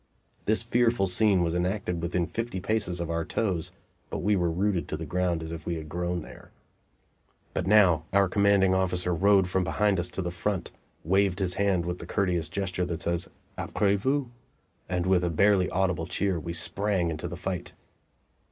This fearful scene was enacted within fifty paces of our toes, but we were rooted to the ground as if we had grown there. But now our commanding officer rode from behind us to the front, waved his hand with the courteous gesture that says apres vous, and with a barely audible cheer we sprang into the fight.